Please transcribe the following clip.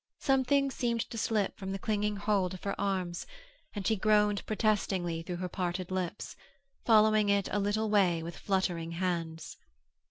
Something seemed to slip from the clinging hold of her arms, and she groaned protestingly through her parted lips, following it a little way with fluttering hands.